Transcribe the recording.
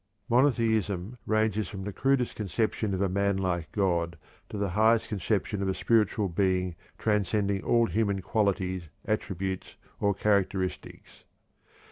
Monotheism ranges from the crudest conception of a manlike god to the highest conception of a spiritual Being transcending all human qualities, attributes, or characteristics.